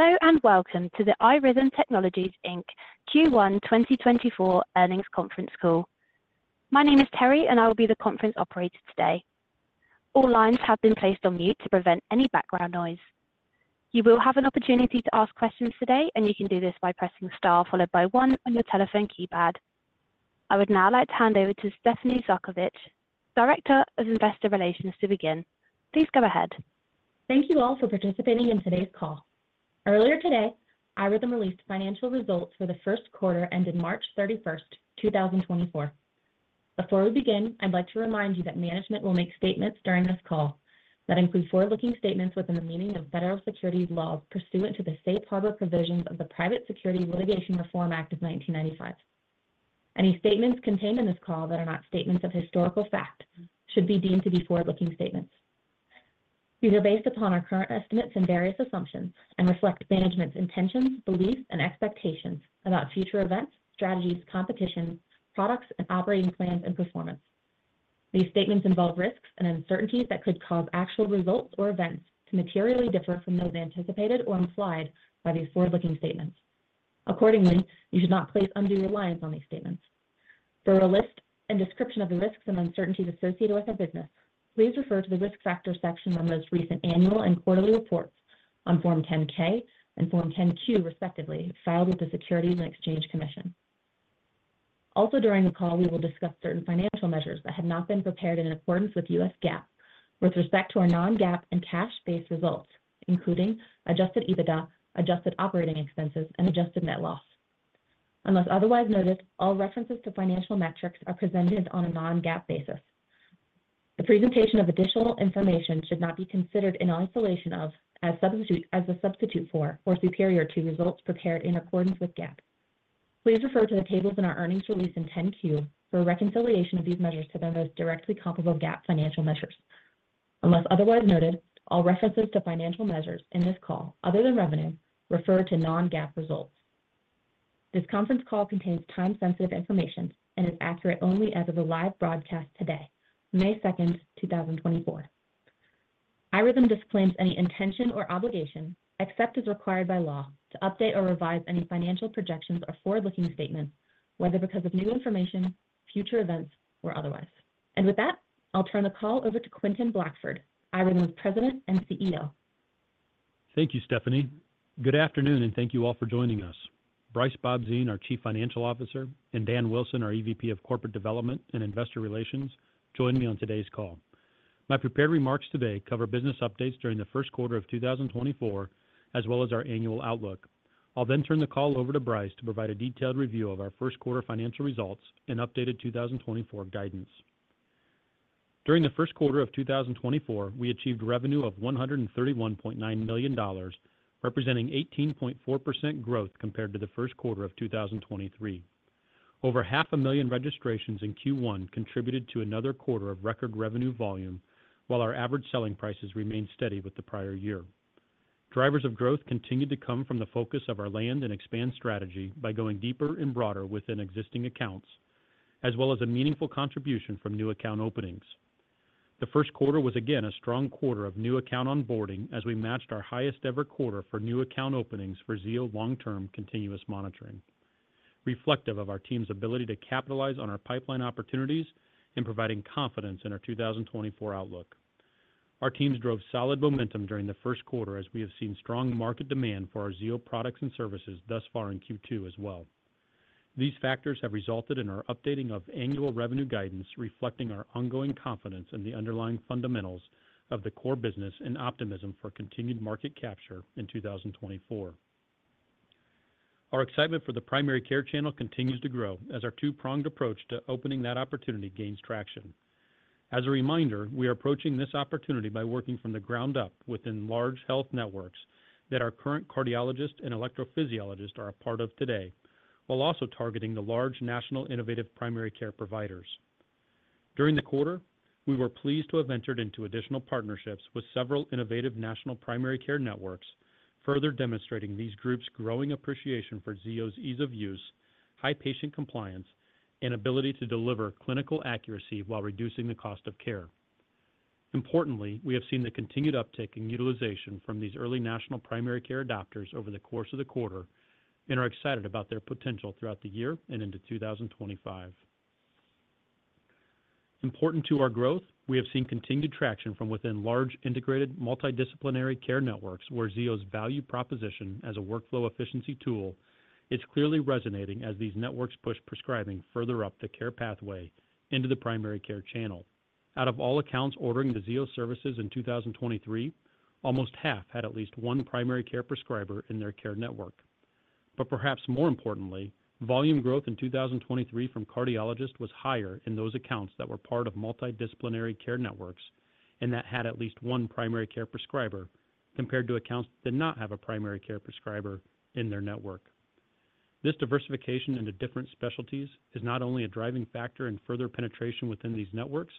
Hello, and welcome to the iRhythm Technologies Inc. Q1 2024 Earnings Conference Call. My name is Terry, and I will be the conference operator today. All lines have been placed on mute to prevent any background noise. You will have an opportunity to ask questions today, and you can do this by pressing star followed by one on your telephone keypad. I would now like to hand over to Stephanie Zhadkevich, Director of Investor Relations, to begin. Please go ahead. Thank you all for participating in today's call. Earlier today, iRhythm released financial results for the first quarter ended March 31st, 2024. Before we begin, I'd like to remind you that management will make statements during this call that include forward-looking statements within the meaning of federal securities laws pursuant to the Safe Harbor Provisions of the Private Securities Litigation Reform Act of 1995. Any statements contained in this call that are not statements of historical fact should be deemed to be forward-looking statements. These are based upon our current estimates and various assumptions and reflect management's intentions, beliefs, and expectations about future events, strategies, competition, products, and operating plans and performance. These statements involve risks and uncertainties that could cause actual results or events to materially differ from those anticipated or implied by these forward-looking statements. Accordingly, you should not place undue reliance on these statements. For a list and description of the risks and uncertainties associated with our business, please refer to the Risk Factors section on the most recent annual and quarterly reports on Form 10-K and Form 10-Q, respectively, filed with the Securities and Exchange Commission. Also, during the call, we will discuss certain financial measures that have not been prepared in accordance with U.S. GAAP with respect to our non-GAAP and cash-based results, including adjusted EBITDA, adjusted operating expenses, and adjusted net loss. Unless otherwise noted, all references to financial metrics are presented on a non-GAAP basis. The presentation of additional information should not be considered in isolation of, as a substitute for, or superior to results prepared in accordance with GAAP. Please refer to the tables in our earnings release in 10-Q for a reconciliation of these measures to their most directly comparable GAAP financial measures. Unless otherwise noted, all references to financial measures in this call other than revenue refer to non-GAAP results. This conference call contains time-sensitive information and is accurate only as of the live broadcast today, May second, two thousand and twenty-four. iRhythm disclaims any intention or obligation, except as required by law, to update or revise any financial projections or forward-looking statements, whether because of new information, future events, or otherwise. With that, I'll turn the call over to Quentin Blackford, iRhythm's President and CEO. Thank you, Stephanie. Good afternoon, and thank you all for joining us. Brice Bobzien, our Chief Financial Officer, and Dan Wilson, our EVP of Corporate Development and Investor Relations, join me on today's call. My prepared remarks today cover business updates during the first quarter of 2024, as well as our annual outlook. I'll then turn the call over to Brice to provide a detailed review of our first quarter financial results and updated 2024 guidance. During the first quarter of 2024, we achieved revenue of $131.9 million, representing 18.4% growth compared to the first quarter of 2023. Over 500,000 registrations in Q1 contributed to another quarter of record revenue volume, while our average selling prices remained steady with the prior year. Drivers of growth continued to come from the focus of our land and expand strategy by going deeper and broader within existing accounts, as well as a meaningful contribution from new account openings. The first quarter was again a strong quarter of new account onboarding as we matched our highest-ever quarter for new account openings for Zio long-term continuous monitoring, reflective of our team's ability to capitalize on our pipeline opportunities and providing confidence in our 2024 outlook. Our teams drove solid momentum during the first quarter as we have seen strong market demand for our Zio products and services thus far in Q2 as well. These factors have resulted in our updating of annual revenue guidance, reflecting our ongoing confidence in the underlying fundamentals of the core business and optimism for continued market capture in 2024. Our excitement for the primary care channel continues to grow as our two-pronged approach to opening that opportunity gains traction. As a reminder, we are approaching this opportunity by working from the ground up within large health networks that our current cardiologists and electrophysiologists are a part of today, while also targeting the large national innovative primary care providers. During the quarter, we were pleased to have entered into additional partnerships with several innovative national primary care networks, further demonstrating these groups' growing appreciation for Zio's ease of use, high patient compliance, and ability to deliver clinical accuracy while reducing the cost of care. Importantly, we have seen the continued uptick in utilization from these early national primary care adopters over the course of the quarter and are excited about their potential throughout the year and into 2025. Important to our growth, we have seen continued traction from within large integrated, multidisciplinary care networks, where Zio's value proposition as a workflow efficiency tool is clearly resonating as these networks push prescribing further up the care pathway into the primary care channel. Out of all accounts ordering the Zio services in 2023, almost half had at least one primary care prescriber in their care network. But perhaps more importantly, volume growth in 2023 from cardiologists was higher in those accounts that were part of multidisciplinary care networks and that had at least one primary care prescriber, compared to accounts that did not have a primary care prescriber in their network. This diversification into different specialties is not only a driving factor in further penetration within these networks,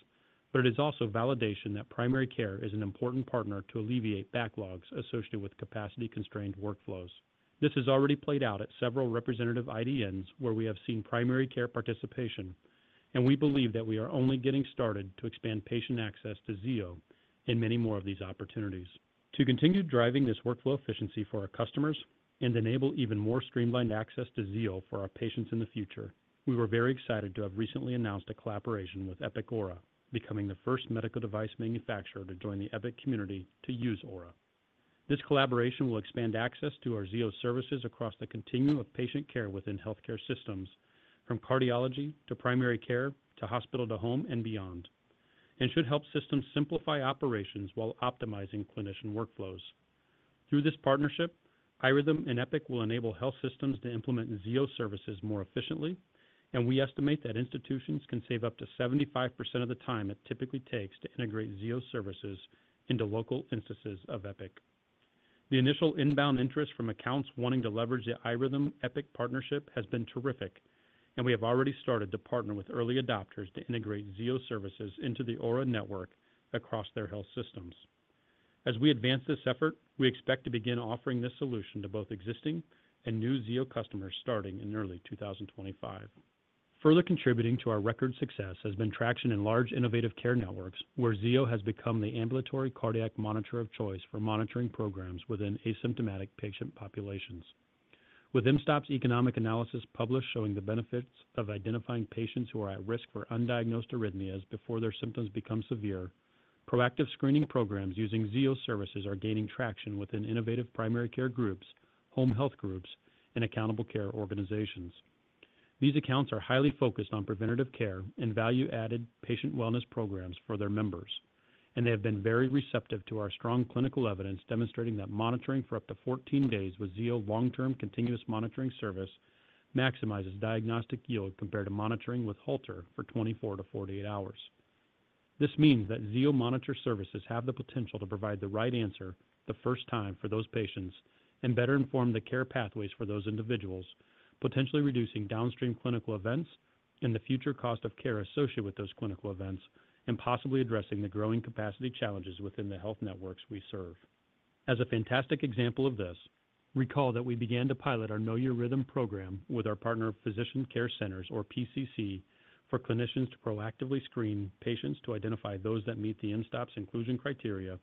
but it is also validation that primary care is an important partner to alleviate backlogs associated with capacity-constrained workflows. This has already played out at several representative IDNs, where we have seen primary care participation, and we believe that we are only getting started to expand patient access to Zio in many more of these opportunities. To continue driving this workflow efficiency for our customers and enable even more streamlined access to Zio for our patients in the future, we were very excited to have recently announced a collaboration with Epic Aura, becoming the first medical device manufacturer to join the Epic community to use Aura. This collaboration will expand access to our Zio Services across the continuum of patient care within healthcare systems, from cardiology to primary care, to hospital, to home, and beyond, and should help systems simplify operations while optimizing clinician workflows. Through this partnership, iRhythm and Epic will enable health systems to implement Zio Services more efficiently, and we estimate that institutions can save up to 75% of the time it typically takes to integrate Zio Services into local instances of Epic. The initial inbound interest from accounts wanting to leverage the iRhythm-Epic partnership has been terrific, and we have already started to partner with early adopters to integrate Zio Services into the Aura network across their health systems. As we advance this effort, we expect to begin offering this solution to both existing and new Zio customers starting in early 2025. Further contributing to our record success has been traction in large innovative care networks, where Zio has become the ambulatory cardiac monitor of choice for monitoring programs within asymptomatic patient populations. With mSToPS economic analysis published showing the benefits of identifying patients who are at risk for undiagnosed arrhythmias before their symptoms become severe, proactive screening programs using Zio Services are gaining traction within innovative primary care groups, home health groups, and accountable care organizations. These accounts are highly focused on preventative care and value-added patient wellness programs for their members, and they have been very receptive to our strong clinical evidence demonstrating that monitoring for up to 14 days with Zio long-term continuous monitoring service maximizes diagnostic yield compared to monitoring with Holter for 24-48 hours. This means that Zio Monitor services have the potential to provide the right answer the first time for those patients and better inform the care pathways for those individuals, potentially reducing downstream clinical events and the future cost of care associated with those clinical events, and possibly addressing the growing capacity challenges within the health networks we serve. As a fantastic example of this, recall that we began to pilot our Know Your Rhythm program with our partner Physician Care Centers, or PCC, for clinicians to proactively screen patients to identify those that meet the mSToPs inclusion criteria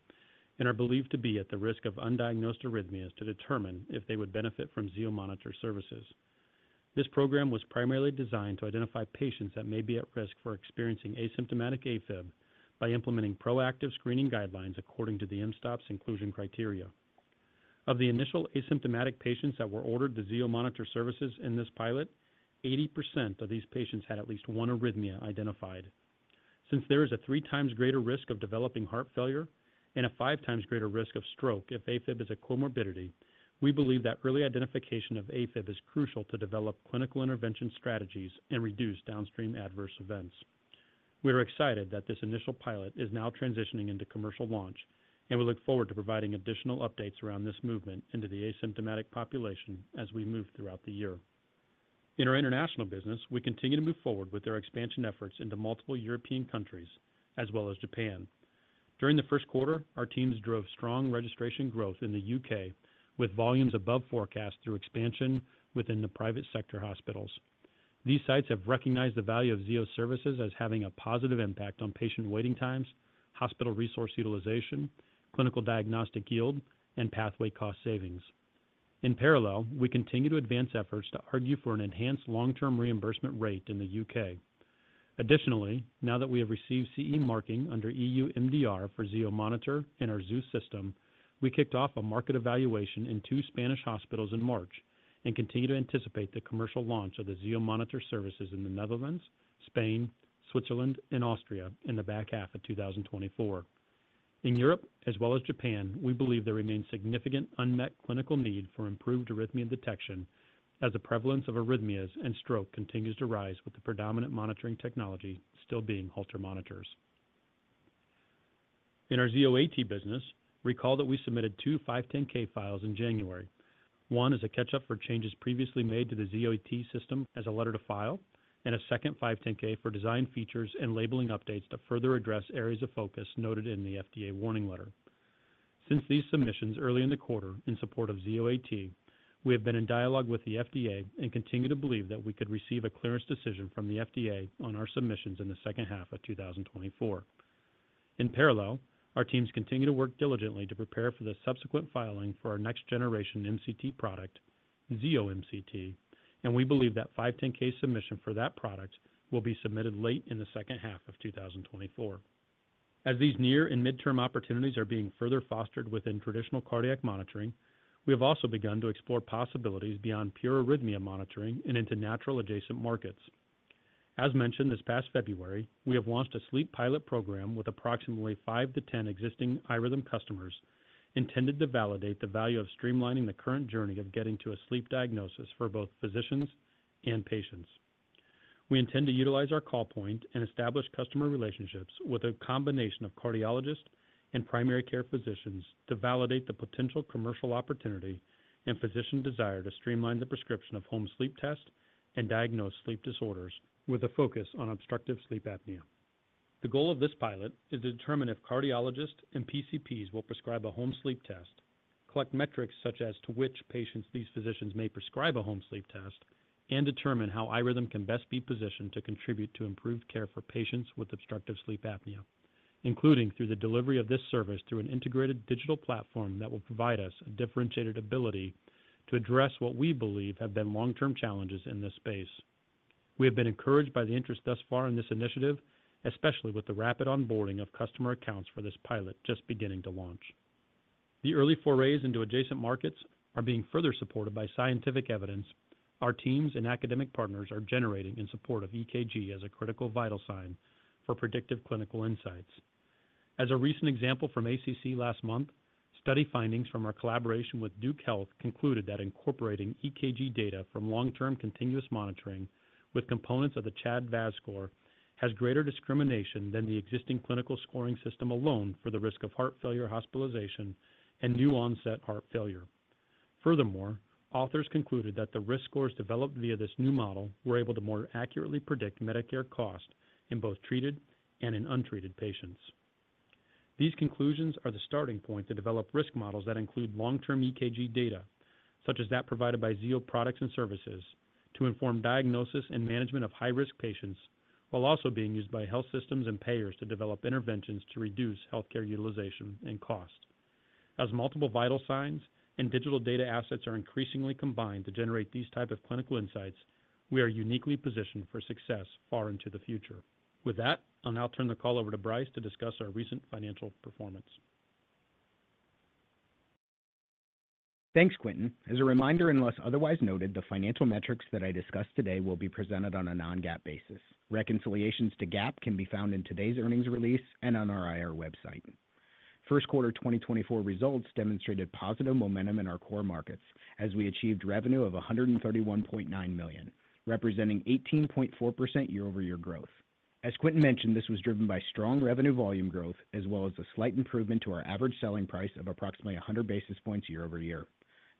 and are believed to be at the risk of undiagnosed arrhythmias to determine if they would benefit from Zio Monitor services. This program was primarily designed to identify patients that may be at risk for experiencing asymptomatic AFib by implementing proactive screening guidelines according to the mSToPS inclusion criteria. Of the initial asymptomatic patients that were ordered the Zio Monitor services in this pilot, 80% of these patients had at least one arrhythmia identified. Since there is a three times greater risk of developing heart failure and a five times greater risk of stroke if AFib is a comorbidity, we believe that early identification of AFib is crucial to develop clinical intervention strategies and reduce downstream adverse events. We are excited that this initial pilot is now transitioning into commercial launch, and we look forward to providing additional updates around this movement into the asymptomatic population as we move throughout the year. In our international business, we continue to move forward with our expansion efforts into multiple European countries as well as Japan. During the first quarter, our teams drove strong registration growth in the U.K., with volumes above forecast through expansion within the private sector hospitals. These sites have recognized the value of Zio Services as having a positive impact on patient waiting times, hospital resource utilization, clinical diagnostic yield, and pathway cost savings. In parallel, we continue to advance efforts to argue for an enhanced long-term reimbursement rate in the U.K. Additionally, now that we have received CE marking under EU MDR for Zio Monitor and our Zio system, we kicked off a market evaluation in two Spanish hospitals in March and continue to anticipate the commercial launch of the Zio Monitor services in the Netherlands, Spain, Switzerland, and Austria in the back half of 2024. In Europe as well as Japan, we believe there remains significant unmet clinical need for improved arrhythmia detection as the prevalence of arrhythmias and stroke continues to rise, with the predominant monitoring technology still being Holter monitors. In our Zio AT business, recall that we submitted two 510(k) files in January. One is a catch-up for changes previously made to the Zio AT system as a letter to file, and a second 510(k) for design features and labeling updates to further address areas of focus noted in the FDA warning letter. Since these submissions early in the quarter in support of Zio AT, we have been in dialogue with the FDA and continue to believe that we could receive a clearance decision from the FDA on our submissions in the second half of 2024. In parallel, our teams continue to work diligently to prepare for the subsequent filing for our next generation MCT product, Zio MCT, and we believe that 510(k) submission for that product will be submitted late in the second half of 2024. As these near and midterm opportunities are being further fostered within traditional cardiac monitoring, we have also begun to explore possibilities beyond pure arrhythmia monitoring and into natural adjacent markets. As mentioned this past February, we have launched a sleep pilot program with approximately 5-10 existing iRhythm customers, intended to validate the value of streamlining the current journey of getting to a sleep diagnosis for both physicians and patients. We intend to utilize our call point and establish customer relationships with a combination of cardiologists and primary care physicians to validate the potential commercial opportunity and physician desire to streamline the prescription of home sleep tests and diagnose sleep disorders with a focus on obstructive sleep apnea. The goal of this pilot is to determine if cardiologists and PCPs will prescribe a home sleep test, collect metrics such as to which patients these physicians may prescribe a home sleep test, and determine how iRhythm can best be positioned to contribute to improved care for patients with obstructive sleep apnea, including through the delivery of this service through an integrated digital platform that will provide us a differentiated ability to address what we believe have been long-term challenges in this space. We have been encouraged by the interest thus far in this initiative, especially with the rapid onboarding of customer accounts for this pilot just beginning to launch. The early forays into adjacent markets are being further supported by scientific evidence our teams and academic partners are generating in support of EKG as a critical vital sign for predictive clinical insights. As a recent example from ACC last month, study findings from our collaboration with Duke Health concluded that incorporating EKG data from long-term continuous monitoring with components of the CHA₂DS₂-VASc score has greater discrimination than the existing clinical scoring system alone for the risk of heart failure, hospitalization, and new-onset heart failure. Furthermore, authors concluded that the risk scores developed via this new model were able to more accurately predict Medicare cost in both treated and in untreated patients. These conclusions are the starting point to develop risk models that include long-term EKG data, such as that provided by Zio products and services, to inform diagnosis and management of high-risk patients, while also being used by health systems and payers to develop interventions to reduce healthcare utilization and cost. As multiple vital signs and digital data assets are increasingly combined to generate these type of clinical insights, we are uniquely positioned for success far into the future. With that, I'll now turn the call over to Brice to discuss our recent financial performance. Thanks, Quentin. As a reminder, unless otherwise noted, the financial metrics that I discuss today will be presented on a non-GAAP basis. Reconciliations to GAAP can be found in today's earnings release and on our IR website. First quarter 2024 results demonstrated positive momentum in our core markets as we achieved revenue of $131.9 million, representing 18.4% year-over-year growth. As Quentin mentioned, this was driven by strong revenue volume growth, as well as a slight improvement to our average selling price of approximately 100 basis points year over year.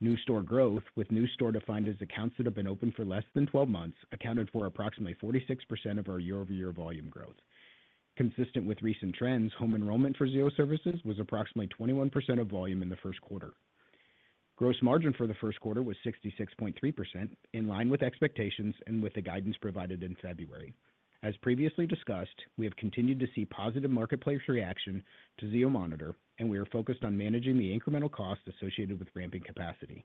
New store growth, with new store defined as accounts that have been open for less than 12 months, accounted for approximately 46% of our year-over-year volume growth. Consistent with recent trends, home enrollment for Zio services was approximately 21% of volume in the first quarter. Gross margin for the first quarter was 66.3%, in line with expectations and with the guidance provided in February. As previously discussed, we have continued to see positive marketplace reaction to Zio Monitor, and we are focused on managing the incremental costs associated with ramping capacity.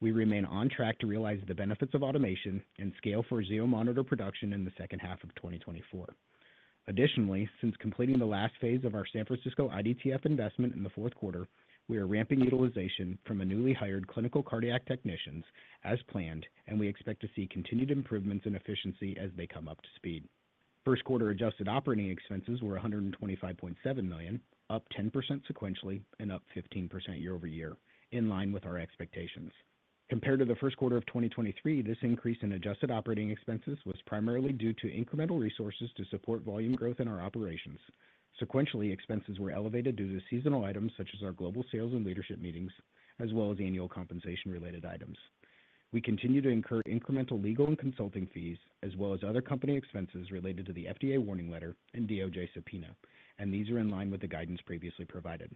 We remain on track to realize the benefits of automation and scale for Zio Monitor production in the second half of 2024. Additionally, since completing the last phase of our San Francisco iDTF investment in the fourth quarter, we are ramping utilization from a newly hired clinical cardiac technicians as planned, and we expect to see continued improvements in efficiency as they come up to speed. First quarter adjusted operating expenses were $125.7 million, up 10% sequentially and up 15% year-over-year, in line with our expectations. Compared to the first quarter of 2023, this increase in adjusted operating expenses was primarily due to incremental resources to support volume growth in our operations. Sequentially, expenses were elevated due to seasonal items such as our global sales and leadership meetings, as well as annual compensation related items. We continue to incur incremental legal and consulting fees, as well as other company expenses related to the FDA warning letter and DOJ subpoena, and these are in line with the guidance previously provided.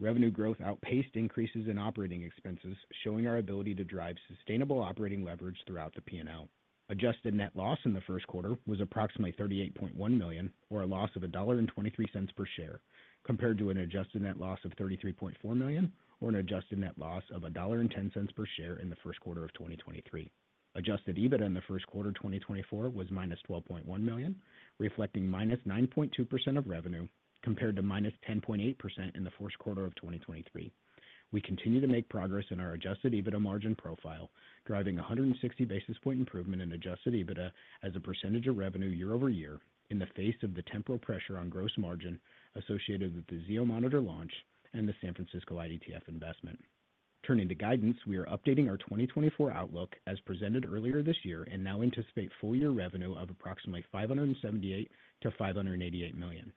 Revenue growth outpaced increases in operating expenses, showing our ability to drive sustainable operating leverage throughout the P&L. Adjusted net loss in the first quarter was approximately $38.1 million, or a loss of $1.23 per share, compared to an adjusted net loss of $33.4 million, or an adjusted net loss of $1.10 per share in the first quarter of 2023. Adjusted EBITDA in the first quarter of 2024 was -$12.1 million, reflecting -9.2% of revenue, compared to -10.8% in the first quarter of 2023. We continue to make progress in our adjusted EBITDA margin profile, driving a 160 basis point improvement in adjusted EBITDA as a percentage of revenue year-over-year in the face of the temporal pressure on gross margin associated with the Zio Monitor launch and the San Francisco iDTF investment. Turning to guidance, we are updating our 2024 outlook as presented earlier this year, and now anticipate full year revenue of approximately $578 million-$588 million.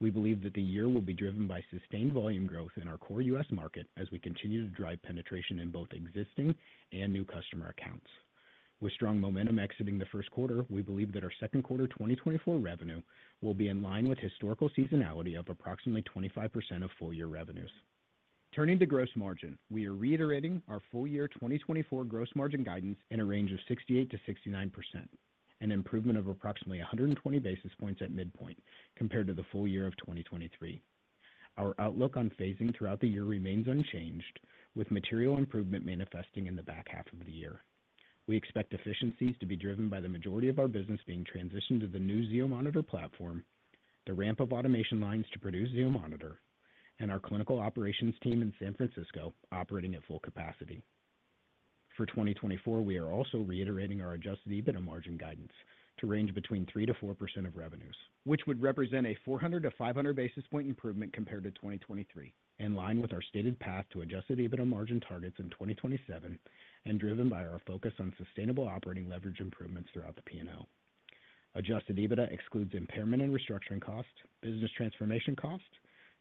We believe that the year will be driven by sustained volume growth in our core U.S. market as we continue to drive penetration in both existing and new customer accounts. With strong momentum exiting the first quarter, we believe that our second quarter 2024 revenue will be in line with historical seasonality of approximately 25% of full year revenues. Turning to gross margin, we are reiterating our full year 2024 gross margin guidance in a range of 68%-69%, an improvement of approximately 120 basis points at midpoint compared to the full year of 2023. Our outlook on phasing throughout the year remains unchanged, with material improvement manifesting in the back half of the year. We expect efficiencies to be driven by the majority of our business being transitioned to the new Zio Monitor platform, the ramp of automation lines to produce Zio Monitor, and our clinical operations team in San Francisco operating at full capacity. For 2024, we are also reiterating our adjusted EBITDA margin guidance to range between 3%-4% of revenues, which would represent a 400-500 basis point improvement compared to 2023, in line with our stated path to adjusted EBITDA margin targets in 2027 and driven by our focus on sustainable operating leverage improvements throughout the P&L. Adjusted EBITDA excludes impairment and restructuring costs, business transformation costs-...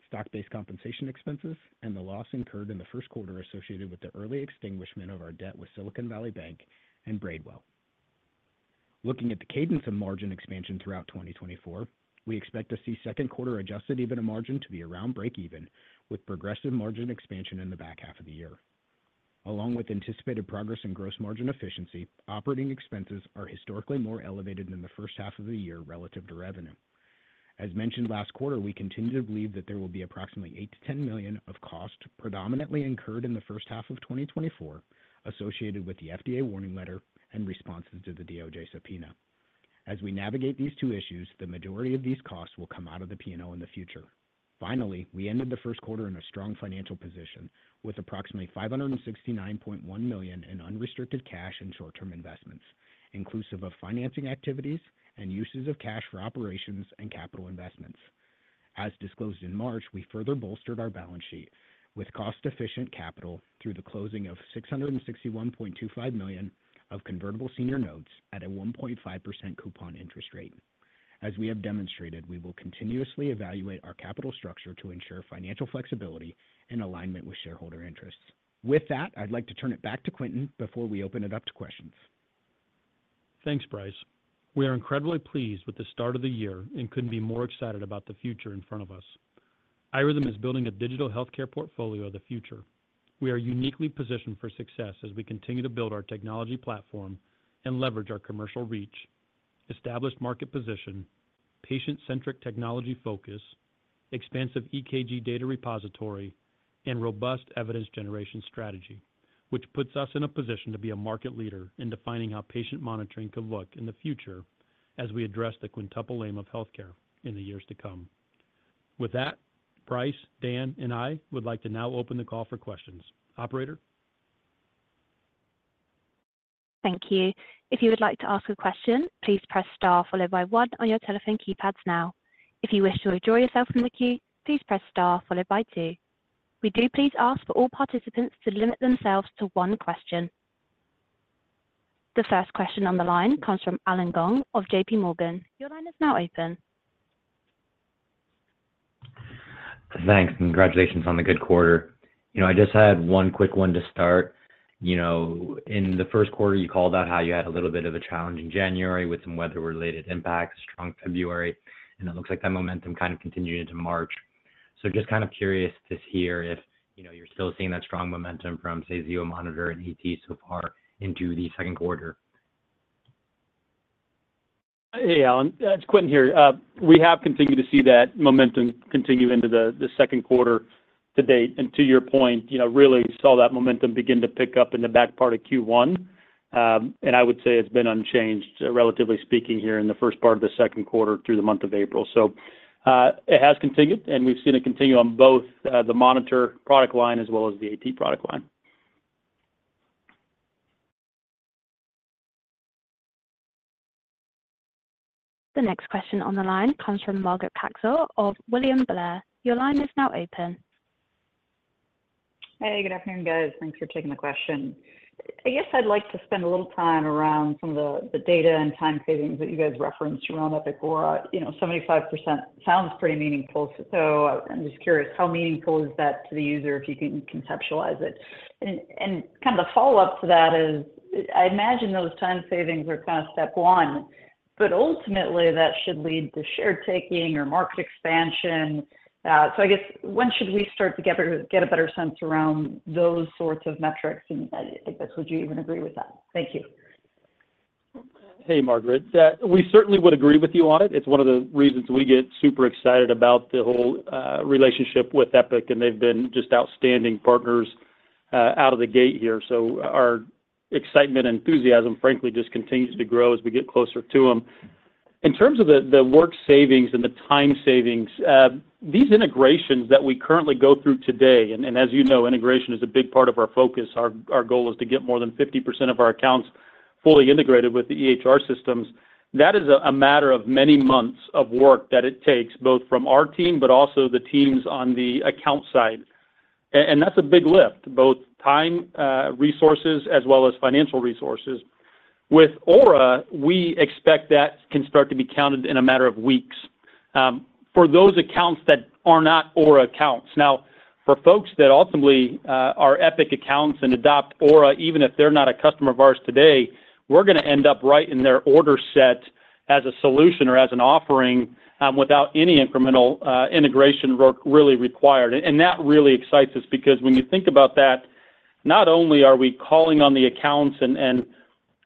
stock-based compensation expenses, and the loss incurred in the first quarter associated with the early extinguishment of our debt with Silicon Valley Bank and Braidwell. Looking at the cadence of margin expansion throughout 2024, we expect to see second quarter adjusted EBITDA margin to be around breakeven, with progressive margin expansion in the back half of the year. Along with anticipated progress in gross margin efficiency, operating expenses are historically more elevated than the first half of the year relative to revenue. As mentioned last quarter, we continue to believe that there will be approximately $8 million-$10 million of costs predominantly incurred in the first half of 2024, associated with the FDA warning letter and responses to the DOJ subpoena. As we navigate these two issues, the majority of these costs will come out of the P&L in the future. Finally, we ended the first quarter in a strong financial position, with approximately $569.1 million in unrestricted cash and short-term investments, inclusive of financing activities and uses of cash for operations and capital investments. As disclosed in March, we further bolstered our balance sheet with cost-efficient capital through the closing of $661.25 million of convertible senior notes at a 1.5% coupon interest rate. As we have demonstrated, we will continuously evaluate our capital structure to ensure financial flexibility and alignment with shareholder interests. With that, I'd like to turn it back to Quentin before we open it up to questions. Thanks, Brice. We are incredibly pleased with the start of the year and couldn't be more excited about the future in front of us. iRhythm is building a digital healthcare portfolio of the future. We are uniquely positioned for success as we continue to build our technology platform and leverage our commercial reach, established market position, patient-centric technology focus, expansive EKG data repository, and robust evidence generation strategy, which puts us in a position to be a market leader in defining how patient monitoring could look in the future as we address the quintuple aim of healthcare in the years to come. With that, Brice, Dan, and I would like to now open the call for questions. Operator? Thank you. If you would like to ask a question, please press star followed by one on your telephone keypads now. If you wish to withdraw yourself from the queue, please press star followed by two. We do please ask for all participants to limit themselves to one question. The first question on the line comes from Allen Gong of JPMorgan. Your line is now open. Thanks, and congratulations on the good quarter. You know, I just had one quick one to start. You know, in the first quarter, you called out how you had a little bit of a challenge in January with some weather-related impacts, strong February, and it looks like that momentum kind of continued into March. So just kind of curious to hear if, you know, you're still seeing that strong momentum from, say, Zio Monitor and AT so far into the second quarter. Hey, Allen, it's Quentin here. We have continued to see that momentum continue into the second quarter to date. And to your point, you know, really saw that momentum begin to pick up in the back part of Q1. And I would say it's been unchanged, relatively speaking, here in the first part of the second quarter through the month of April. So, it has continued, and we've seen it continue on both the monitor product line as well as the AT product line. The next question on the line comes from Margaret Kaczor of William Blair. Your line is now open. Hey, good afternoon, guys. Thanks for taking the question. I guess I'd like to spend a little time around some of the data and time savings that you guys referenced around Epic Aura. You know, 75% sounds pretty meaningful, so I'm just curious, how meaningful is that to the user, if you can conceptualize it? And kind of the follow-up to that is, I imagine those time savings are kind of step one, but ultimately, that should lead to share taking or market expansion. So I guess when should we start to get a better sense around those sorts of metrics? And I guess, would you even agree with that? Thank you. Hey, Margaret. We certainly would agree with you on it. It's one of the reasons we get super excited about the whole relationship with Epic, and they've been just outstanding partners out of the gate here. So our excitement and enthusiasm, frankly, just continues to grow as we get closer to them. In terms of the work savings and the time savings, these integrations that we currently go through today, and as you know, integration is a big part of our focus. Our goal is to get more than 50% of our accounts fully integrated with the EHR systems. That is a matter of many months of work that it takes, both from our team, but also the teams on the account side. And that's a big lift, both time, resources as well as financial resources. With Aura, we expect that can start to be counted in a matter of weeks, for those accounts that are not Aura accounts. Now, for folks that ultimately are Epic accounts and adopt Aura, even if they're not a customer of ours today, we're going to end up right in their order set as a solution or as an offering, without any incremental integration work really required. And that really excites us because when you think about that, not only are we calling on the accounts and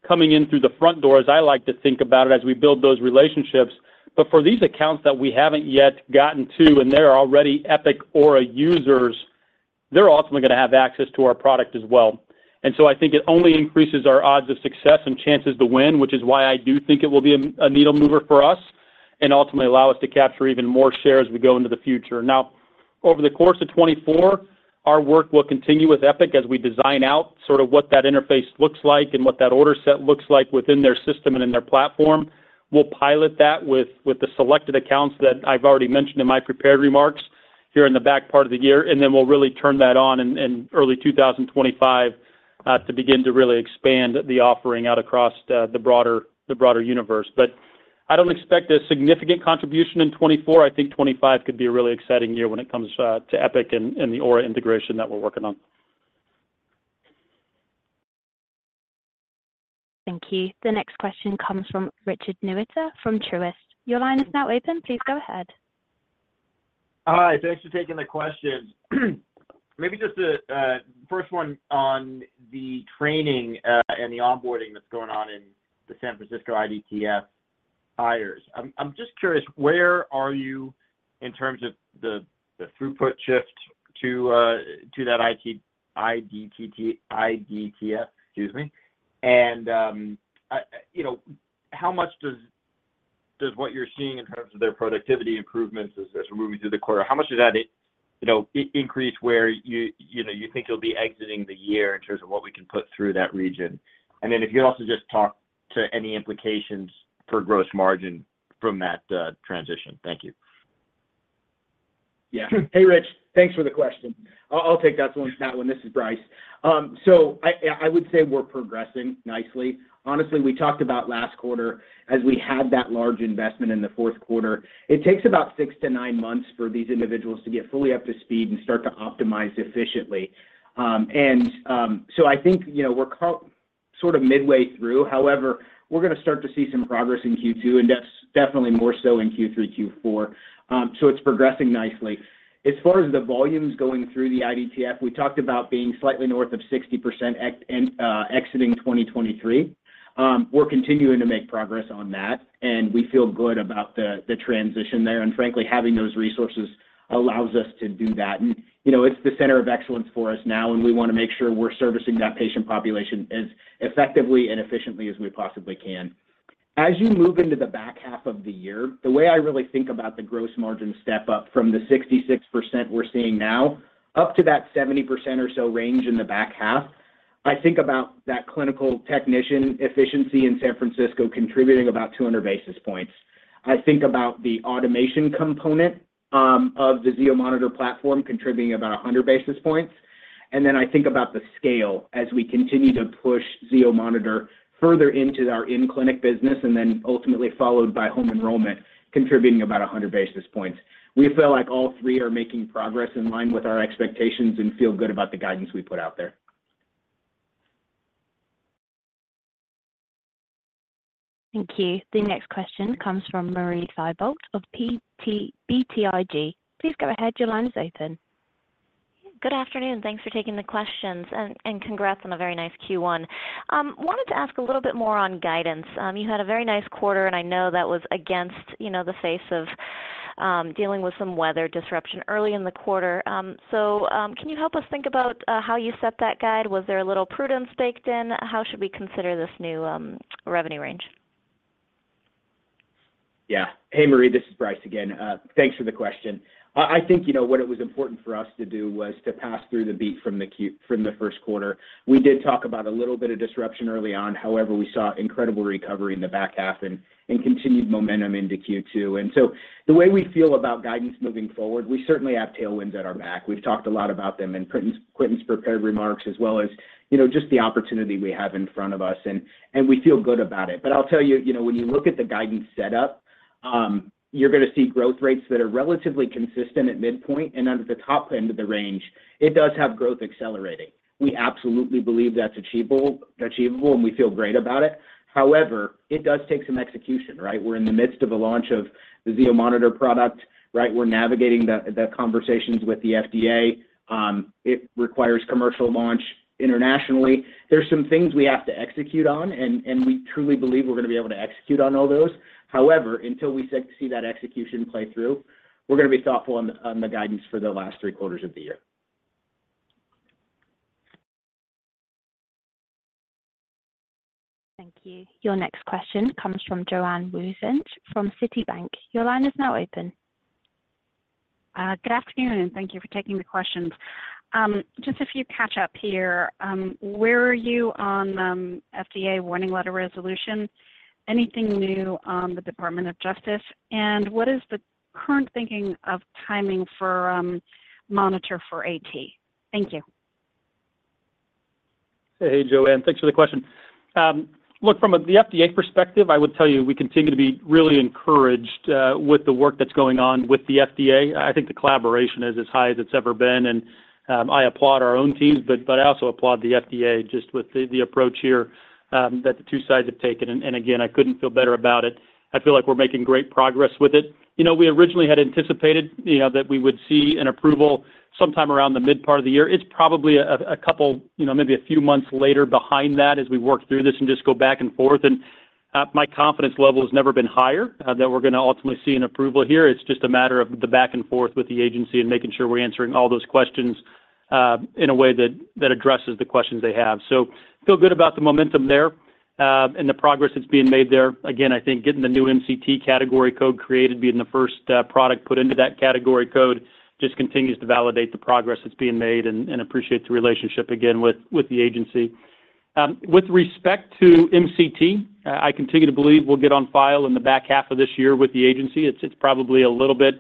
coming in through the front door, as I like to think about it, as we build those relationships, but for these accounts that we haven't yet gotten to, and they're already Epic Aura users, they're ultimately going to have access to our product as well. And so I think it only increases our odds of success and chances to win, which is why I do think it will be a needle mover for us and ultimately allow us to capture even more share as we go into the future. Now, over the course of 2024, our work will continue with Epic as we design out sort of what that interface looks like and what that order set looks like within their system and in their platform. We'll pilot that with the selected accounts that I've already mentioned in my prepared remarks here in the back part of the year, and then we'll really turn that on in early 2025 to begin to really expand the offering out across the broader universe. But I don't expect a significant contribution in 2024. I think 25 could be a really exciting year when it comes to Epic and the Aura integration that we're working on. Thank you. The next question comes from Richard Newitter from Truist. Your line is now open. Please go ahead. Hi, thanks for taking the question. Maybe just a first one on the training and the onboarding that's going on in the San Francisco iDTF hires. I'm just curious, where are you in terms of the throughput shift to that iDTF, excuse me. And you know, how much does what you're seeing in terms of their productivity improvements as we're moving through the quarter, how much does that increase where you think you'll be exiting the year in terms of what we can put through that region? And then if you could also just talk to any implications for gross margin from that transition. Thank you. Yeah. Hey, Rich. Thanks for the question. I'll, I'll take that one. This is Brice. So I would say we're progressing nicely. Honestly, we talked about last quarter as we had that large investment in the fourth quarter. It takes about six to nine months for these individuals to get fully up to speed and start to optimize efficiently. So I think, you know, we're sort of midway through. However, we're gonna start to see some progress in Q2, and definitely more so in Q3, Q4. So it's progressing nicely. As far as the volumes going through the iDTF, we talked about being slightly north of 60% exiting 2023. We're continuing to make progress on that, and we feel good about the transition there. And frankly, having those resources allows us to do that. And, you know, it's the center of excellence for us now, and we wanna make sure we're servicing that patient population as effectively and efficiently as we possibly can. As you move into the back half of the year, the way I really think about the gross margin step up from the 66% we're seeing now, up to that 70% or so range in the back half, I think about that clinical technician efficiency in San Francisco, contributing about 200 basis points. I think about the automation component, of the Zio Monitor platform, contributing about 100 basis points. And then I think about the scale as we continue to push Zio Monitor further into our in-clinic business, and then ultimately followed by home enrollment, contributing about 100 basis points. We feel like all three are making progress in line with our expectations and feel good about the guidance we put out there. Thank you. The next question comes from Marie Thibault of BTIG. Please go ahead. Your line is open. Good afternoon. Thanks for taking the questions, and congrats on a very nice Q1. Wanted to ask a little bit more on guidance. You had a very nice quarter, and I know that was against, you know, the face of dealing with some weather disruption early in the quarter. So, can you help us think about how you set that guide? Was there a little prudence baked in? How should we consider this new revenue range? Yeah. Hey, Marie, this is Brice again. Thanks for the question. I think, you know, what it was important for us to do was to pass through the beat from the Q1 from the first quarter. We did talk about a little bit of disruption early on. However, we saw incredible recovery in the back half and continued momentum into Q2. And so the way we feel about guidance moving forward, we certainly have tailwinds at our back. We've talked a lot about them in Quentin's prepared remarks, as well as, you know, just the opportunity we have in front of us, and we feel good about it. But I'll tell you, you know, when you look at the guidance set up, you're gonna see growth rates that are relatively consistent at midpoint, and under the top end of the range, it does have growth accelerating. We absolutely believe that's achievable, achievable, and we feel great about it. However, it does take some execution, right? We're in the midst of a launch of the Zio Monitor product, right? We're navigating the conversations with the FDA. It requires commercial launch internationally. There's some things we have to execute on, and we truly believe we're gonna be able to execute on all those. However, until we get to see that execution play through, we're gonna be thoughtful on the guidance for the last three quarters of the year. Thank you. Your next question comes from Joanne Wuensch from Citibank. Your line is now open. Good afternoon, and thank you for taking the questions. Just a few catch up here. Where are you on FDA warning letter resolution? Anything new on the Department of Justice? And what is the current thinking of timing for monitor for AT? Thank you. Hey, Joanne, thanks for the question. Look, from the FDA perspective, I would tell you, we continue to be really encouraged with the work that's going on with the FDA. I think the collaboration is as high as it's ever been, and I applaud our own teams, but I also applaud the FDA just with the approach here that the two sides have taken, and again, I couldn't feel better about it. I feel like we're making great progress with it. You know, we originally had anticipated, you know, that we would see an approval sometime around the mid part of the year. It's probably a couple, you know, maybe a few months later behind that as we work through this and just go back and forth, and my confidence level has never been higher that we're gonna ultimately see an approval here. It's just a matter of the back and forth with the agency and making sure we're answering all those questions in a way that addresses the questions they have. So feel good about the momentum there, and the progress that's being made there. Again, I think getting the new MCT category code created, being the first product put into that category code, just continues to validate the progress that's being made and appreciate the relationship again, with the agency. With respect to MCT, I continue to believe we'll get on file in the back half of this year with the agency. It's probably a little bit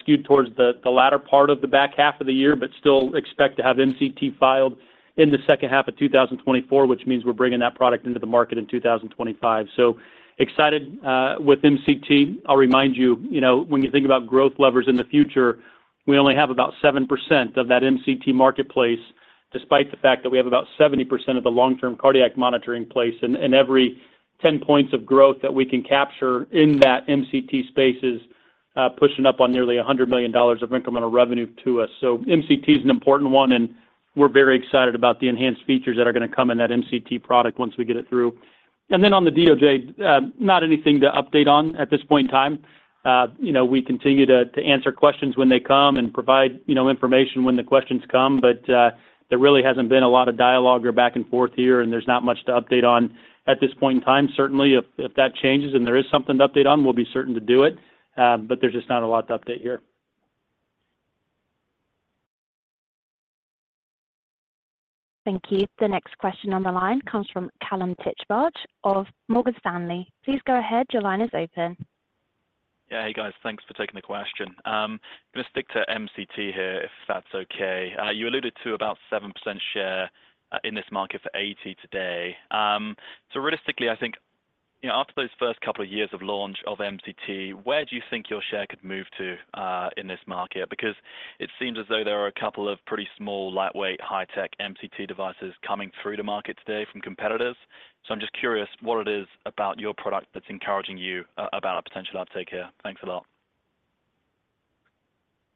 skewed towards the latter part of the back half of the year, but still expect to have MCT filed in the second half of 2024, which means we're bringing that product into the market in 2025. So excited with MCT. I'll remind you, you know, when you think about growth levers in the future, we only have about 7% of that MCT marketplace, despite the fact that we have about 70% of the long-term cardiac monitoring place. And every 10 points of growth that we can capture in that MCT space is pushing up on nearly $100 million of incremental revenue to us. So MCT is an important one, and we're very excited about the enhanced features that are going to come in that MCT product once we get it through. And then on the DOJ, not anything to update on at this point in time. You know, we continue to answer questions when they come and provide, you know, information when the questions come, but there really hasn't been a lot of dialogue or back and forth here, and there's not much to update on at this point in time. Certainly, if that changes and there is something to update on, we'll be certain to do it, but there's just not a lot to update here. Thank you. The next question on the line comes from Kallum Titchmarsh of Morgan Stanley. Please go ahead. Your line is open. Yeah. Hey, guys. Thanks for taking the question. I'm going to stick to MCT here, if that's okay. You alluded to about 7% share in this market for AT today. So realistically, I think, you know, after those first couple of years of launch of MCT, where do you think your share could move to in this market? Because it seems as though there are a couple of pretty small, lightweight, high-tech MCT devices coming through to market today from competitors. So I'm just curious what it is about your product that's encouraging you about a potential uptake here. Thanks a lot.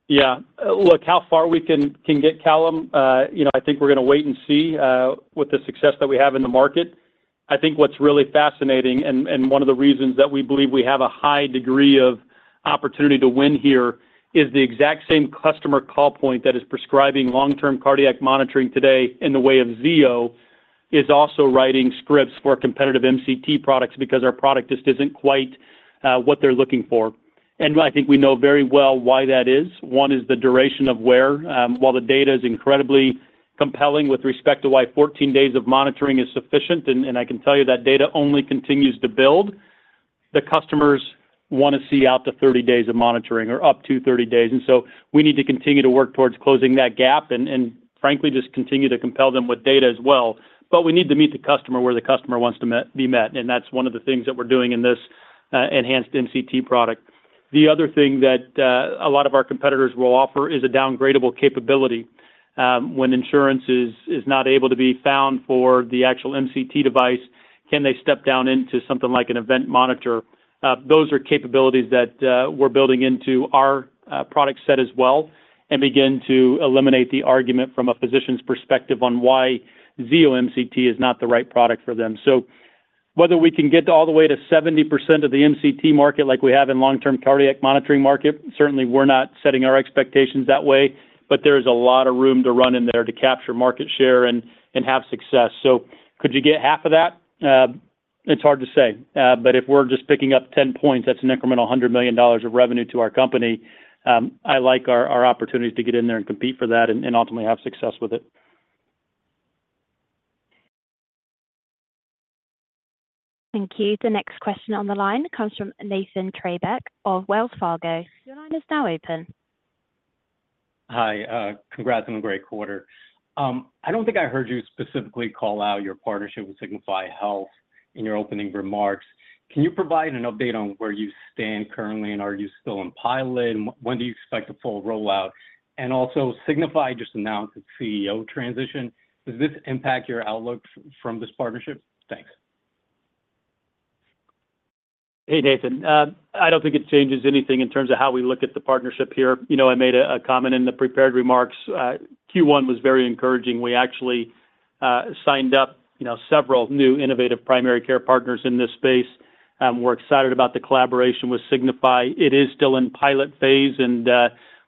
Yeah. Look, how far we can get, Callum, you know, I think we're going to wait and see with the success that we have in the market. I think what's really fascinating and one of the reasons that we believe we have a high degree of opportunity to win here is the exact same customer call point that is prescribing long-term cardiac monitoring today in the way of Zio, is also writing scripts for competitive MCT products because our product just isn't quite what they're looking for. And I think we know very well why that is. One is the duration of wear. While the data is incredibly compelling with respect to why 14 days of monitoring is sufficient, and I can tell you that data only continues to build, the customers want to see out to 30 days of monitoring or up to 30 days. And so we need to continue to work towards closing that gap and frankly, just continue to compel them with data as well. But we need to meet the customer where the customer wants to be met, and that's one of the things that we're doing in this enhanced MCT product. The other thing that a lot of our competitors will offer is a downgradable capability. When insurance is not able to be found for the actual MCT device, can they step down into something like an event monitor? Those are capabilities that we're building into our product set as well and begin to eliminate the argument from a physician's perspective on why Zio MCT is not the right product for them. So whether we can get all the way to 70% of the MCT market like we have in long-term cardiac monitoring market, certainly we're not setting our expectations that way, but there is a lot of room to run in there to capture market share and have success. So could you get half of that? It's hard to say. But if we're just picking up 10 points, that's an incremental $100 million dollars of revenue to our company. I like our opportunities to get in there and compete for that and ultimately have success with it. Thank you. The next question on the line comes from Nathan Treybeck of Wells Fargo. Your line is now open. Hi. Congrats on the great quarter. I don't think I heard you specifically call out your partnership with Signify Health in your opening remarks. Can you provide an update on where you stand currently, and are you still in pilot? And when do you expect a full rollout? And also, Signify just announced a CEO transition. Does this impact your outlook from this partnership? Thanks. Hey, Nathan. I don't think it changes anything in terms of how we look at the partnership here. You know, I made a comment in the prepared remarks. Q1 was very encouraging. We actually signed up, you know, several new innovative primary care partners in this space, and we're excited about the collaboration with Signify. It is still in pilot phase, and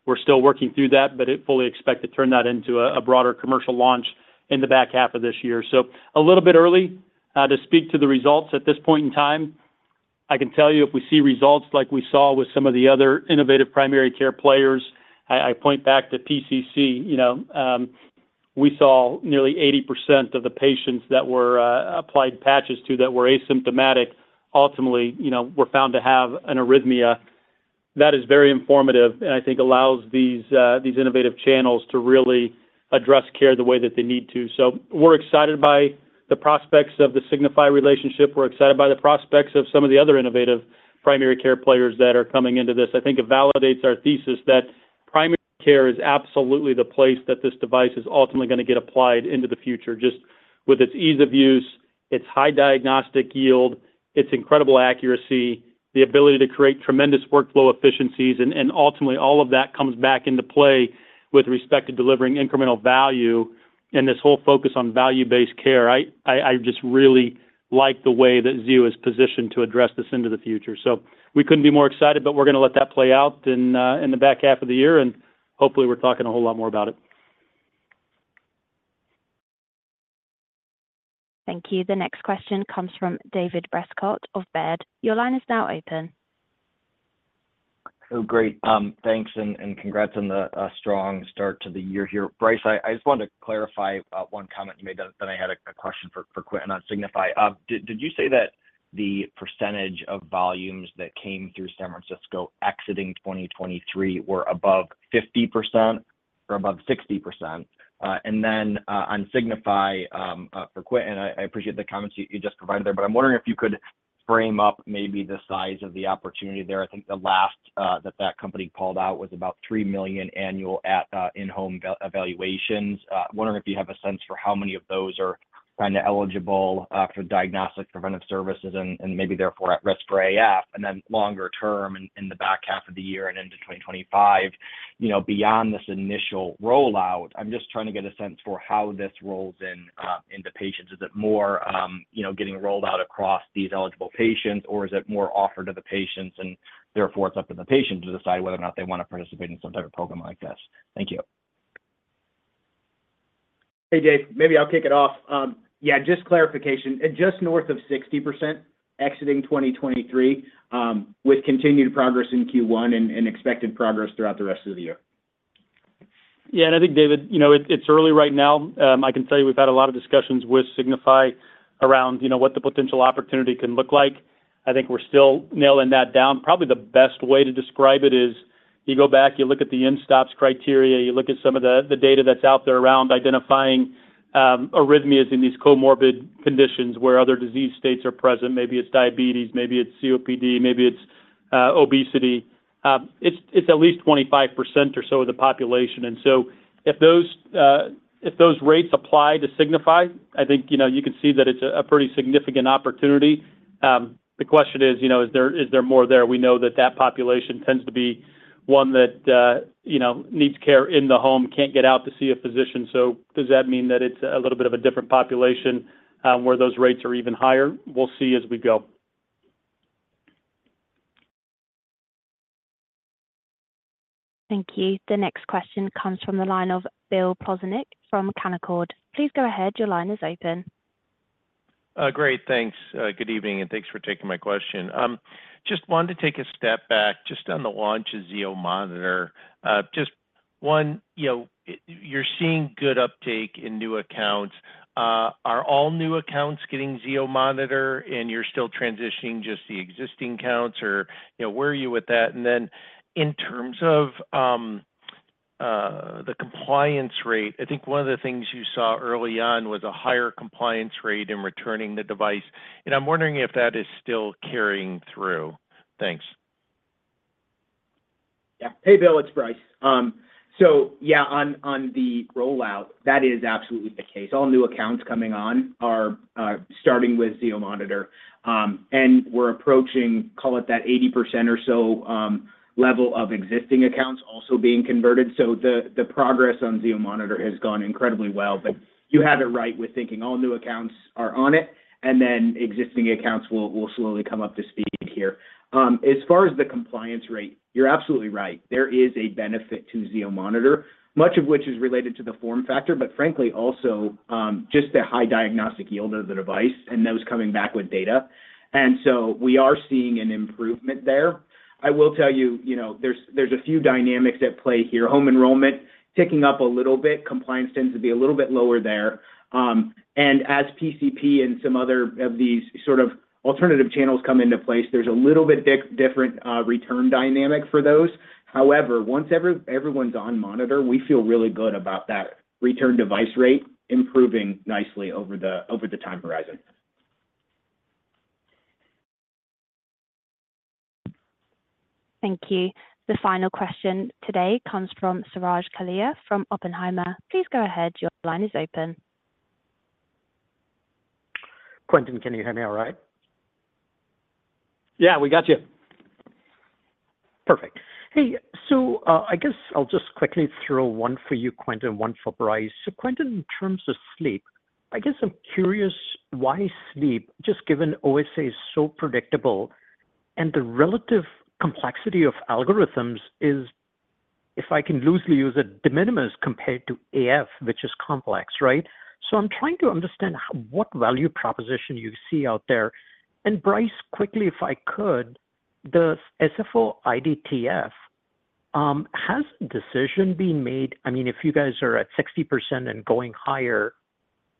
we're still working through that, but fully expect to turn that into a broader commercial launch in the back half of this year. So a little bit early to speak to the results at this point in time. I can tell you if we see results like we saw with some of the other innovative primary care players, I point back to PCC, you know, we saw nearly 80% of the patients that were applied patches to that were asymptomatic, ultimately, you know, were found to have an arrhythmia. That is very informative, and I think allows these these innovative channels to really address care the way that they need to. So we're excited by the prospects of the Signify relationship. We're excited by the prospects of some of the other innovative primary care players that are coming into this. I think it validates our thesis that primary care is absolutely the place that this device is ultimately going to get applied into the future, just with its ease of use, its high diagnostic yield, its incredible accuracy, the ability to create tremendous workflow efficiencies, and ultimately, all of that comes back into play with respect to delivering incremental value and this whole focus on value-based care. I just really like the way that Zio is positioned to address this into the future. So we couldn't be more excited, but we're going to let that play out in, in the back half of the year, and hopefully, we're talking a whole lot more about it. Thank you. The next question comes from David Rescott of Baird. Your line is now open. Oh, great. Thanks and congrats on the strong start to the year here. Brice, I just wanted to clarify one comment you made, then I had a question for Quentin on Signify. Did you say that the percentage of volumes that came through San Francisco exiting 2023 were above 50% or above 60%. And then on Signify for Quentin, I appreciate the comments you just provided there, but I'm wondering if you could frame up maybe the size of the opportunity there. I think the last that company called out was about 3 million annual in-home evaluations. I'm wondering if you have a sense for how many of those are kinda eligible for diagnostic preventive services and maybe therefore at risk for AF, and then longer term in the back half of the year and into 2025. You know, beyond this initial rollout, I'm just trying to get a sense for how this rolls in into patients. Is it more, you know, getting rolled out across these eligible patients, or is it more offered to the patients, and therefore it's up to the patient to decide whether or not they wanna participate in some type of program like this? Thank you. Hey, Dave. Maybe I'll kick it off. Yeah, just clarification. At just north of 60%, exiting 2023, with continued progress in Q1 and expected progress throughout the rest of the year. Yeah, and I think, David, you know, it, it's early right now. I can tell you we've had a lot of discussions with Signify around, you know, what the potential opportunity can look like. I think we're still nailing that down. Probably the best way to describe it is you go back, you look at the mSToPS criteria, you look at some of the, the data that's out there around identifying, arrhythmias in these comorbid conditions where other disease states are present. Maybe it's diabetes, maybe it's COPD, maybe it's, obesity. It's, it's at least 25% or so of the population. And so if those, if those rates apply to Signify, I think, you know, you can see that it's a, a pretty significant opportunity. The question is, you know, is there, is there more there? We know that that population tends to be one that, you know, needs care in the home, can't get out to see a physician. So does that mean that it's a little bit of a different population, where those rates are even higher? We'll see as we go. Thank you. The next question comes from the line of Bill Plovanic from Canaccord. Please go ahead. Your line is open. Great. Thanks. Good evening, and thanks for taking my question. Just wanted to take a step back, just on the launch of Zio Monitor. Just one, you know, you're seeing good uptake in new accounts. Are all new accounts getting Zio Monitor, and you're still transitioning just the existing accounts, or, you know, where are you with that? And then in terms of the compliance rate, I think one of the things you saw early on was a higher compliance rate in returning the device, and I'm wondering if that is still carrying through. Thanks. Yeah. Hey, Bill, it's Brice. So yeah, on the rollout, that is absolutely the case. All new accounts coming on are starting with Zio Monitor, and we're approaching, call it, that 80% or so, level of existing accounts also being converted. So the progress on Zio Monitor has gone incredibly well, but you have it right with thinking all new accounts are on it, and then existing accounts will slowly come up to speed here. As far as the compliance rate, you're absolutely right. There is a benefit to Zio Monitor, much of which is related to the form factor, but frankly, also, just the high diagnostic yield of the device and those coming back with data. And so we are seeing an improvement there. I will tell you, you know, there's a few dynamics at play here. Home enrollment ticking up a little bit. Compliance tends to be a little bit lower there. And as PCP and some other of these sort of alternative channels come into place, there's a little bit different return dynamic for those. However, once everyone's on monitor, we feel really good about that return device rate improving nicely over the time horizon. Thank you. The final question today comes from Suraj Kalia from Oppenheimer. Please go ahead. Your line is open. Quentin, can you hear me all right? Yeah, we got you. Perfect. Hey, so, I guess I'll just quickly throw one for you, Quentin, and one for Brice. So, Quentin, in terms of Sleep, I guess I'm curious why Sleep, just given OSA is so predictable and the relative complexity of algorithms is, if I can loosely use it, de minimis compared to AF, which is complex, right? So I'm trying to understand how, what value proposition you see out there. And Brice, quickly, if I could, the SFO iDTF, has decision been made? I mean, if you guys are at 60% and going higher,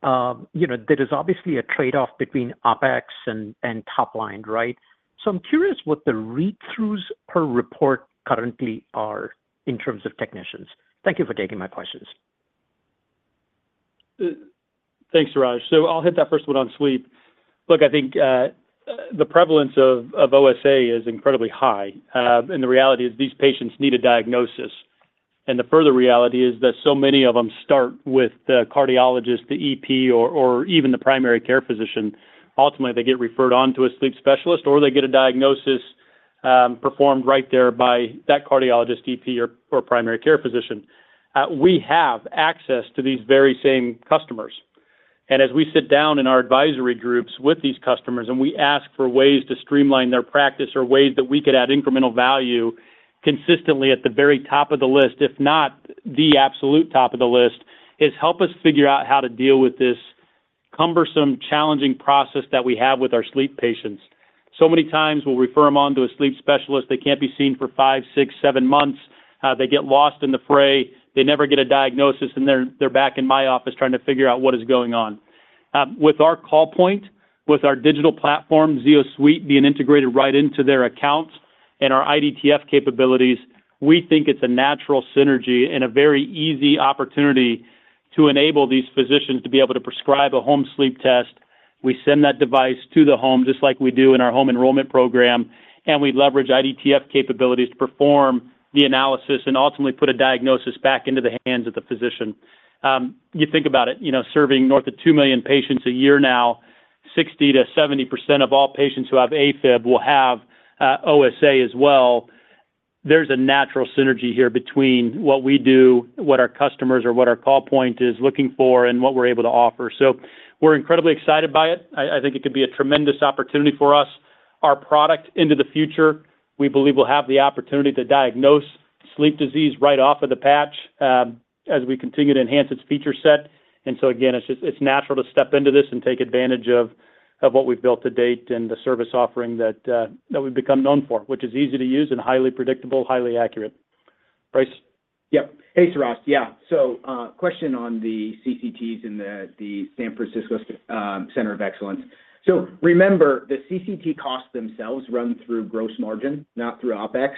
you know, there is obviously a trade-off between OpEx and, and top-line, right? So I'm curious what the read-throughs per report currently are in terms of technicians. Thank you for taking my questions. Thanks, Suraj. So I'll hit that first one on Sleep. Look, I think, the prevalence of OSA is incredibly high, and the reality is these patients need a diagnosis. And the further reality is that so many of them start with the cardiologist, the EP, or even the primary care physician. Ultimately, they get referred on to a sleep specialist, or they get a diagnosis performed right there by that cardiologist, EP, or primary care physician. We have access to these very same customers. As we sit down in our advisory groups with these customers, and we ask for ways to streamline their practice or ways that we could add incremental value, consistently at the very top of the list, if not the absolute top of the list, is help us figure out how to deal with this cumbersome, challenging process that we have with our sleep patients. So many times we'll refer them on to a sleep specialist. They can't be seen for five, six, seven months. They get lost in the fray. They never get a diagnosis, and they're back in my office trying to figure out what is going on. With our call point, with our digital platform, ZioSuite, being integrated right into their accounts and our iDTF capabilities, we think it's a natural synergy and a very easy opportunity to enable these physicians to be able to prescribe a home sleep test. We send that device to the home, just like we do in our home enrollment program, and we leverage iDTF capabilities to perform the analysis and ultimately put a diagnosis back into the hands of the physician. You think about it, you know, serving north of 2 million patients a year now, 60%-70% of all patients who have AFib will have OSA as well. There's a natural synergy here between what we do, what our customers or what our call point is looking for, and what we're able to offer. So we're incredibly excited by it. I think it could be a tremendous opportunity for us. Our product into the future, we believe, will have the opportunity to diagnose sleep disease right off of the patch, as we continue to enhance its feature set. And so again, it's just, it's natural to step into this and take advantage of what we've built to date and the service offering that we've become known for, which is easy to use and highly predictable, highly accurate. Brice? Yep. Hey, Suraj. Yeah, so, question on the CCTs in the, the San Francisco, Center of Excellence. So remember, the CCT costs themselves run through gross margin, not through OpEx.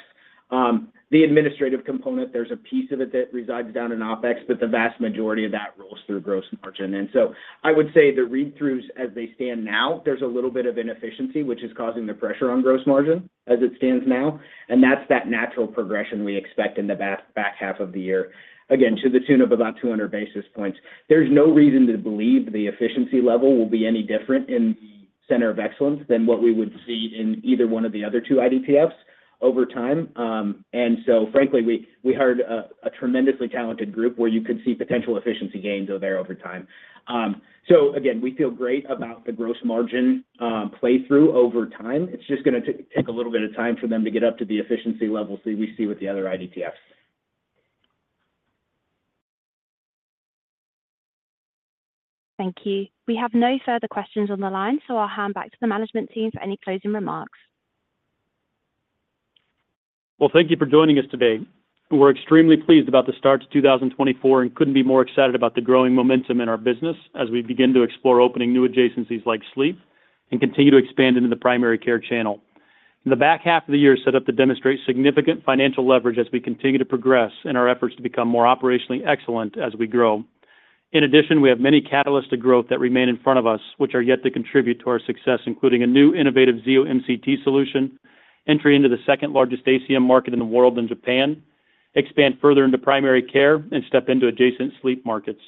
The administrative component, there's a piece of it that resides down in OpEx, but the vast majority of that rolls through gross margin. And so I would say the read-throughs, as they stand now, there's a little bit of inefficiency, which is causing the pressure on gross margin as it stands now, and that's that natural progression we expect in the back half of the year. Again, to the tune of about 200 basis points. There's no reason to believe the efficiency level will be any different in the Center of Excellence than what we would see in either one of the other two iDTFs over time. And so frankly, we hired a tremendously talented group where you could see potential efficiency gains over there over time. So again, we feel great about the gross margin play-through over time. It's just gonna take a little bit of time for them to get up to the efficiency levels that we see with the other IDTFs. Thank you. We have no further questions on the line, so I'll hand back to the management team for any closing remarks. Well, thank you for joining us today. We're extremely pleased about the start to 2024 and couldn't be more excited about the growing momentum in our business as we begin to explore opening new adjacencies like Sleep and continue to expand into the Primary Care Channel. The back half of the year is set up to demonstrate significant financial leverage as we continue to progress in our efforts to become more operationally excellent as we grow. In addition, we have many catalysts to growth that remain in front of us, which are yet to contribute to our success, including a new innovative Zio MCT solution, entry into the second-largest ACM market in the world in Japan, expand further into primary care and step into adjacent sleep markets.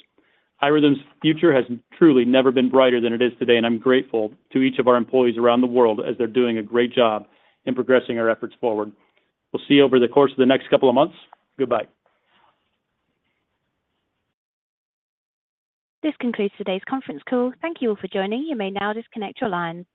iRhythm's future has truly never been brighter than it is today, and I'm grateful to each of our employees around the world as they're doing a great job in progressing our efforts forward. We'll see you over the course of the next couple of months. Goodbye. This concludes today's conference call. Thank you all for joining. You may now disconnect your line.